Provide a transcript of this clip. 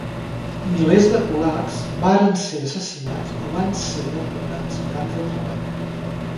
Milers de kulaks varen ser assassinats o van ser deportats a camps de treball.